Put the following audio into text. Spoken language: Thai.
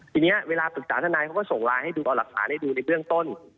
ทีนี้เวลาปรึกษาทนายเขาก็ส่งไลน์ให้ดูเอาหลักฐานให้ดูในเบื้องต้น